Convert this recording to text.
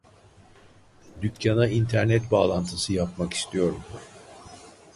Dükkana internet bağlantısı yapmak istiyorum